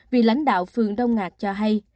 vị lãnh đạo phượng đông ngạc cho hay